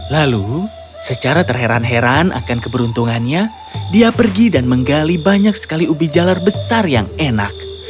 lalu secara terheran heran akan keberuntungannya dia pergi dan menggali banyak sekali ubi jalar besar yang enak